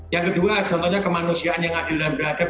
yang kedua contohnya kemanusiaan yang adil dan beradab